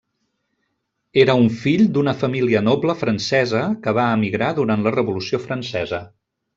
Era un fill d'una família noble francesa que va emigrar durant la revolució francesa.